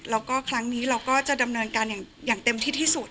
แล้วก็ครั้งนี้เราก็จะดำเนินการอย่างเต็มที่ที่สุด